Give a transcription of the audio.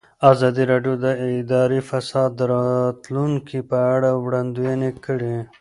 ازادي راډیو د اداري فساد د راتلونکې په اړه وړاندوینې کړې.